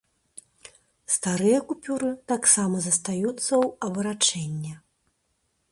Старыя купюры таксама застаюцца ў абарачэнні.